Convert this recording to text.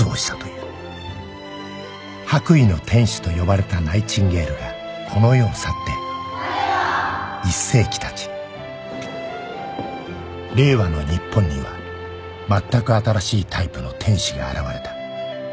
「白衣の天使」と呼ばれたナイチンゲールがこの世を去って１世紀経ち令和の日本にはまったく新しいタイプの天使が現れた